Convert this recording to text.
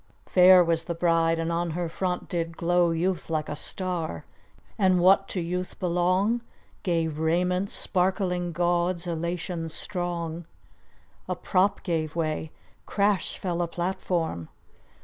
Fair was the bride, and on her front did glow Youth like a star; and what to youth belong, Gay raiment sparkling gauds, elation strong. A prop gave way! crash fell a platform!